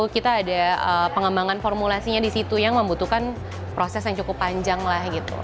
kita ada pengembangan formulasinya di situ yang membutuhkan proses yang cukup panjang lah gitu